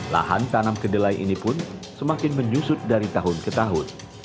lahan tanam kedelai ini pun semakin menyusut dari tahun ke tahun